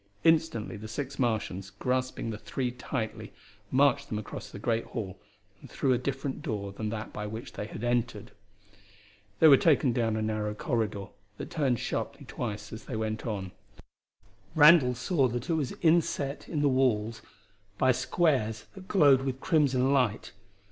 Instantly the six Martians, grasping the three tightly, marched them across the great hall and through a different door than that by which they had entered. They were taken down a narrow corridor that turned sharply twice as they went on. Randall saw that it was lit by squares inset in the walls that glowed with crimson light.